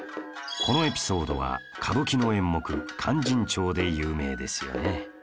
このエピソードは歌舞伎の演目『勧進帳』で有名ですよね